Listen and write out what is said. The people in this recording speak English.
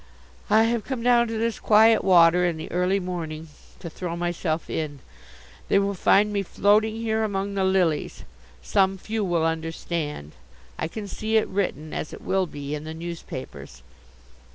I have come down to this quiet water in the early morning to throw myself in. They will find me floating here among the lilies. Some few will understand. I can see it written, as it will be, in the newspapers.